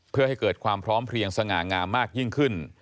เพื่อให้เกิดความพร้อมเพลียงสง่างามมากยิ่งขึ้น